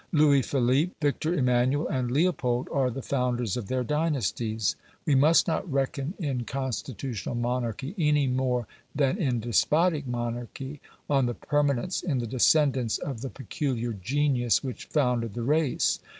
Louis Philippe, Victor Emmanuel, and Leopold are the founders of their dynasties; we must not reckon in constitutional monarchy any more than in despotic monarchy on the permanence in the descendants of the peculiar genius which founded the race.